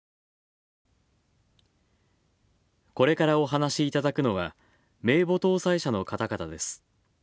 これからお話しいただくのは、名簿登載者の方々です。